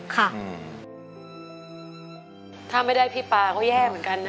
ค่ะถ้าไม่ได้พี่ปลาก็แย่เหมือนกันนะ